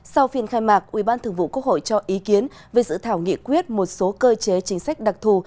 sau phiên khai mạc ubth cho ý kiến về dự thảo nghị quyết một số cơ chế chính sách đặc thù